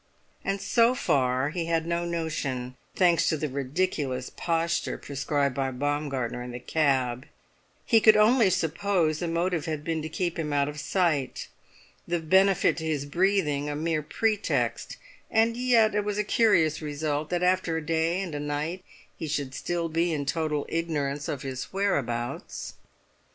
And so far he had no notion, thanks to the ridiculous posture prescribed by Baumgartner in the cab; he could only suppose the motive had been to keep him out of sight, the benefit to his breathing a mere pretext; and yet it was a curious result that after a day and a night he should still be in total ignorance of his whereabouts.